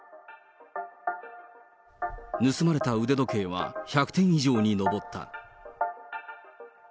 盗まれた腕時計は１００点以上に上った。